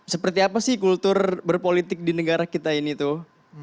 seperti apa sih kultur berpolitik di negara kita ini tuh